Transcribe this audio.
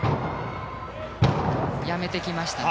やめてきましたね。